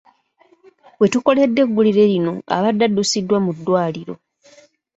We tukoledde eggulire lino abadde addusiddwa mu ddwaliro .